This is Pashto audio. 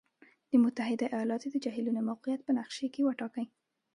د متحد ایالاتو د جهیلونو موقعیت په نقشې کې وټاکئ.